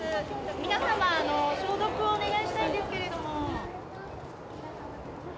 皆様消毒をお願いしたいんですけれども。